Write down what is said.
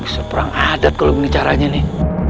seberang adat kalau begini caranya nih